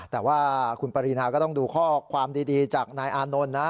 แต่ว่าคุณปรินาก็ต้องดูข้อความดีจากนายอานนท์นะ